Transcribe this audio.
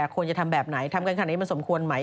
ควรจะทำแบบไหนทำกันขนาดนี้มันสมควรไหม